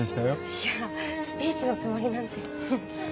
いやスピーチのつもりなんて。